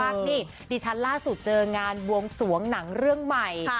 นี่ดิฉันล่าสุดเจองานบวงสวงหนังเรื่องใหม่